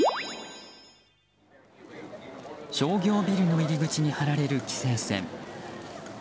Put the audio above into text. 商業ビルの入り口に張られる規制線。